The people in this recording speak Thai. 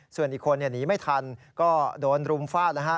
ส่วนอีกคนหนีไม่ทันก็โดนรุมฟาดแล้วฮะ